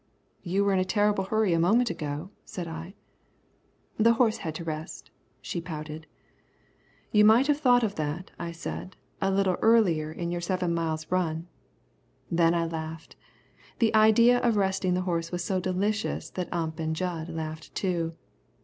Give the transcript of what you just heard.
"You were in a terrible hurry a moment ago," said I. "The horse had to rest," she pouted. "You might have thought of that," I said, "a little earlier in your seven miles' run." Then I laughed. The idea of resting the horse was so delicious that Ump and Jud laughed too.